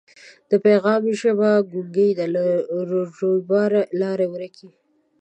د پیغام ژبه ګونګۍ ده له رویباره لاري ورکي